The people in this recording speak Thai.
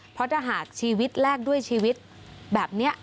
เพราะถ้าหากชีวิตแลกด้วยชีวิตแบบนี้